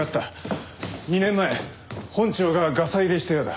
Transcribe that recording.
２年前本庁がガサ入れしたようだ。